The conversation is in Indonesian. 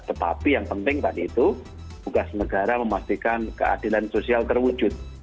tetapi yang penting tadi itu tugas negara memastikan keadilan sosial terwujud